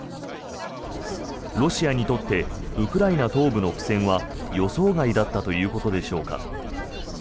ロシアにとってウクライナ東部の苦戦は予想外だったということでしょうか。